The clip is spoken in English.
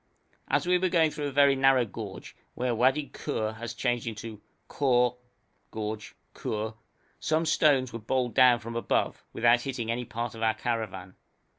As we were going through a very narrow gorge, where Wadi Khur has changed into Khor (gorge) Khur, some stones were bowled down from above, without hitting any part of our caravan.